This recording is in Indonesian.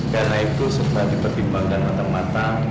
karena itu setelah dipertimbangkan mata mata